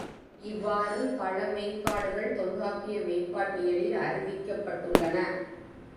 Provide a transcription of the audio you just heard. இவ்வாறு பல மெய்ப்பாடுகள் தொல்காப்பிய மெய்ப்பாட்டியலில் அறிவிக்கப்பட்டுள்ளன.